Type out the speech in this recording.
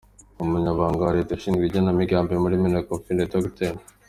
Umunyamabanga wa Leta ushinzwe igenamigambi muri Minecofin, Dr.